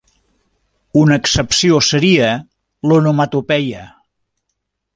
Una excepció seria l'onomatopeia.